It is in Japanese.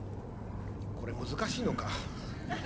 「これ難しいのか。